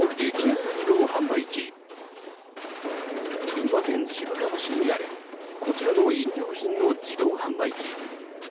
群馬県渋川市にあるこちらの飲料品の自動販売機。